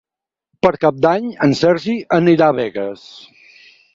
Per Cap d'Any en Sergi anirà a Begues.